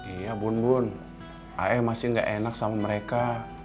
iya bun aya masih nggak enak sama mereka